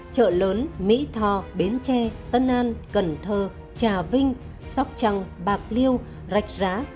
chợ lớn mỹ tho bến tre tân an cần thơ trà vinh sóc trăng bạc liêu rạch giá